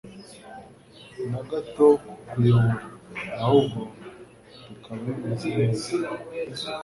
na gato ko kubora, ahubwo bikaba bimeze neza,